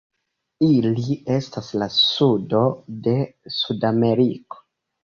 Ili estas la sudo de Sudameriko.